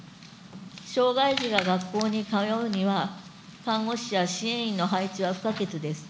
障害児が学校に通うには、看護師や支援員の配置は不可欠です。